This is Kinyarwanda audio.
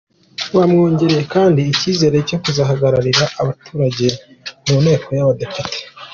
Bamwongereye kandi icyizere cyo kuzahagararira abaturage mu Nteko y’Abadepite”.